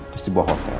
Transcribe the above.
terus di bawah hotel